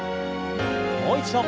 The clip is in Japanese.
もう一度。